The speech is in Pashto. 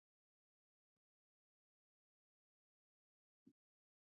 هغه د منګلي انګړ ته ننوت.